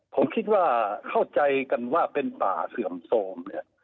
ผมคิดว่าเข้าใจกันว่าเป็นป่าเสื่อมโทรมเนี่ย